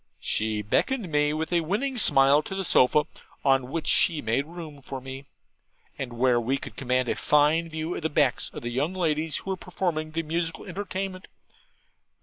She beckoned me with a winning smile to the sofa, on which she made room for me, and where we could command a fine view of the backs of the young ladies who were performing the musical entertainment.